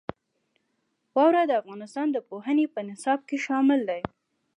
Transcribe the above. واوره د افغانستان د پوهنې په نصاب کې شامل دي.